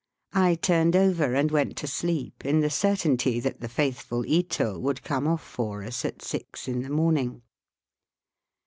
I turned over and went to sleep in the certainty that the faithful Ito would come off for us at six in the morning.